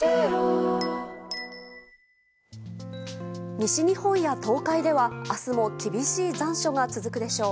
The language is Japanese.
西日本や東海では明日も厳しい残暑が続くでしょう。